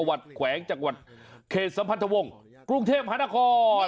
โอ้โห